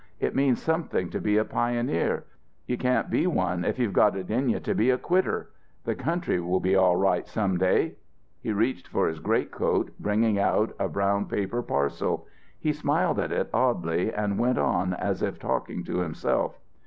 It means something to be a pioneer. You can't be one if you've got it in you to be a quitter. The country will be all right some day." He reached for his greatcoat, bringing out a brown paper parcel. He smiled at it oddly and went on as if talking to himself.